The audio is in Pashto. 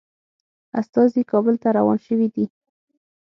استازي کابل ته روان شوي دي.